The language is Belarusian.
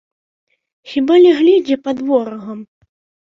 Хіба ляглі дзе пад ворагам?